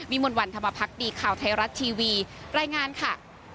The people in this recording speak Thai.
มนต์วันธรรมพักดีข่าวไทยรัฐทีวีรายงานค่ะ